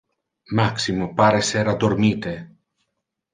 Maximo pare ser addormite.